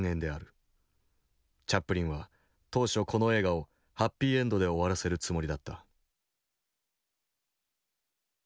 チャップリンは当初この映画をハッピーエンドで終わらせるつもりだった。